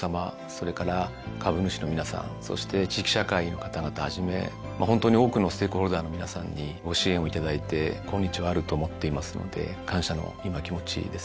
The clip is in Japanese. それから株主の皆さんそして地域社会の方々はじめホントに多くのステークホルダーの皆さんにご支援を頂いて今日はあると思っていますので感謝の気持ちです。